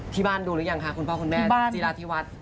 ดูหรือยังคะคุณพ่อคุณแม่จีราธิวัฒน์